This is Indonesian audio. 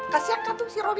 kasiah kaget si robby